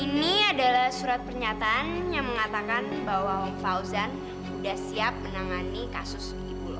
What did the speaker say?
ini adalah surat pernyataan yang mengatakan bahwa om fauzan udah siap menangani kasus ibu lo